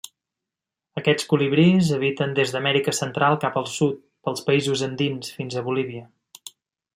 Aquests colibrís habiten des d'Amèrica Central cap al sud, pels països andins, fins a Bolívia.